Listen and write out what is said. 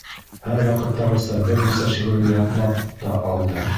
Һәр ваҡыттағыса, бер нисә шиғырҙы ятлап та алды.